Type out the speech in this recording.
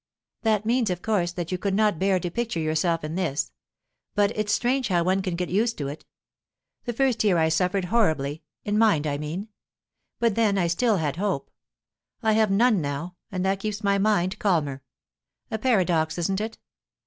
"That means, of course, that you could not bear to picture yourself in this. But it's strange how one can get used to it. The first year I suffered horribly in mind, I mean. But then I still had hope. I have none now, and that keeps my mind calmer. A paradox, isn't it?